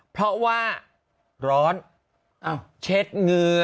เพราะว่าร้อนเช็ดเหงื่อ